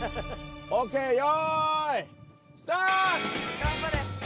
頑張れ！